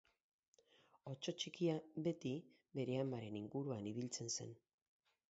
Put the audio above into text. Otso txikia beti bere amaren inguruan ibiltzen zen.